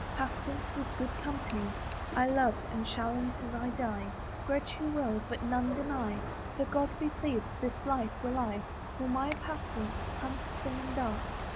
Pastance, with good company I love, and shall until 1 die; Grudge who will, but none deny, So God be pleased, this life will I, For my pastance Hunt, sing and dance.